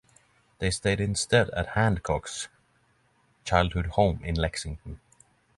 They stayed instead at Hancock's childhood home in Lexington.